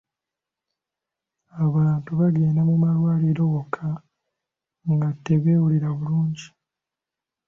Abantu bagenda mu malwaliro wokka nga tebeewulira bulungi.